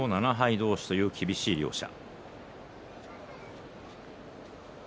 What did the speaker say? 同士という厳しい両者。